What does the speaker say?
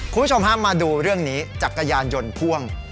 คุณผู้ชมฮะมาดูเรื่องนี้จักรยานยนต์พ่วง